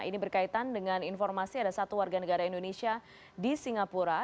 ini berkaitan dengan informasi ada satu warga negara indonesia di singapura